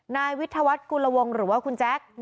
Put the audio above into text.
นายวิทยาวัฒน์กุลวงหรือว่าคุณแจ๊ค